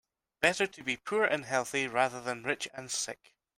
Better to be poor and healthy rather than rich and sick.